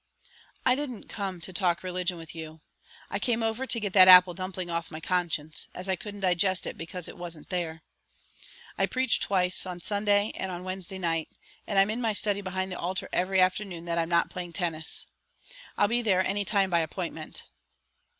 "I didn't come to talk religion with you; I came over to get that apple dumpling off my conscience, as I couldn't digest it because it wasn't there. I preach twice, on Sunday and on Wednesday night, and I'm in my study behind the altar every afternoon that I'm not playing tennis. I'll be there any time by appointment."